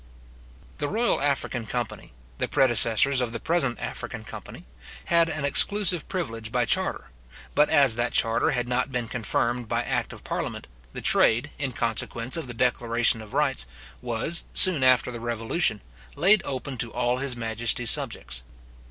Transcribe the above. The Royal African company, the predecessors of the present African company, had an exclusive privilege by charter; but as that charter had not been confirmed by act of parliament, the trade, in consequence of the declaration of rights, was, soon after the Revolution, laid open to all his majesty's subjects.